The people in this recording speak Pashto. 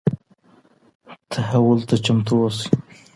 تحول ته چمتو اوسئ.